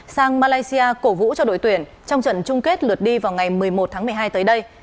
sang malaysia cổ vũ cho đội tuyển trong trận chung kết lượt đi vào ngày một mươi một tháng một mươi hai tới đây